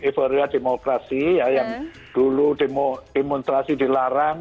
iburia demokrasi ya yang dulu demonstrasi dilarang